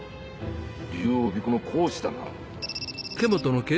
竜王予備校の講師だな。